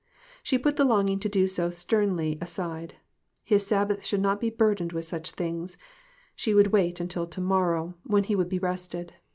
She put the longing to do so sternly aside. His Sabbath should not be burdened with such things ; she would wait until to morrow, TOTAL DEPRAVITY. 47 when he would be rested.